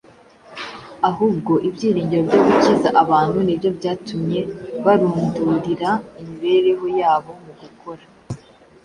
Ahubwo ibyiringiro byo gukiza abantu ni byo byatumye barundurira imibereho yabo mu gukora